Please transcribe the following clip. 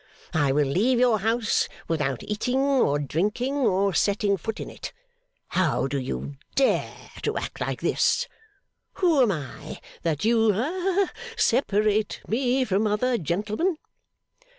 I will leave your house without eating or drinking, or setting foot in it. How do you dare to act like this? Who am I that you ha separate me from other gentlemen?